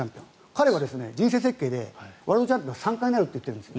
彼は人生設計でワールドチャンピオンに３回なるって言ってるんです。